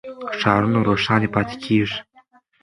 ښارونه روښانه پاتې کېږي.